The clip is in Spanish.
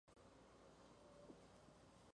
Obras en escuelas públicas de todo el país.